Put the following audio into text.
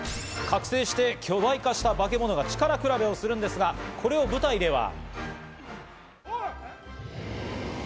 覚醒して巨大化したバケモノが力比べをするんですが、これを舞台では。